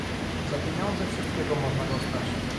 "Za pieniądze wszystkiego można dostać."